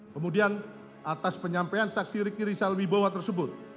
kemudian atas penyampaian saksi ricky rizal wibowo tersebut